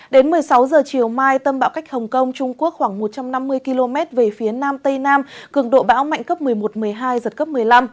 đến một mươi sáu h chiều mai tâm bão cách hồng kông trung quốc khoảng một trăm năm mươi km về phía nam tây nam cường độ bão mạnh cấp một mươi một một mươi hai giật cấp một mươi năm